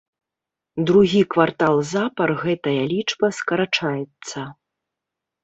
Другі квартал запар гэтая лічба скарачаецца.